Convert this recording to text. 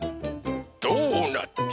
ドーナツ。